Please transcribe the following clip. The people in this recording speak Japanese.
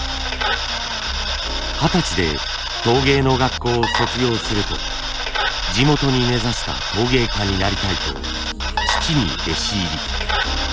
二十歳で陶芸の学校を卒業すると地元に根ざした陶芸家になりたいと父に弟子入り。